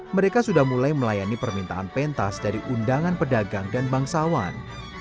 mereka sudah mulai melayani permintaan pentas dari undangan pedagang dan bangsawan